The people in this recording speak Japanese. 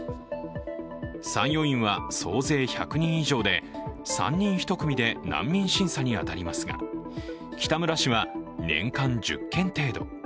参与員は総勢１００人以上で３人１組で難民審査に当たりますが北村氏は年間１０件程度。